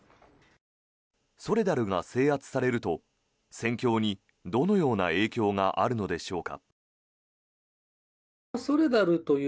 ソレダルが制圧されると戦況にどのような影響があるのでしょうか。